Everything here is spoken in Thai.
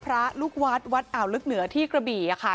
พระลูกวัดวัดอ่าวลึกเหนือที่กระบี่ค่ะ